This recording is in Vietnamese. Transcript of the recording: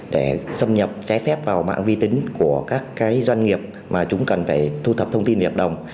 để xâm nhập trái phép vào mạng vi tính của các doanh nghiệp mà chúng cần phải thu thập thông tin hợp đồng